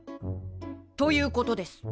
ということです。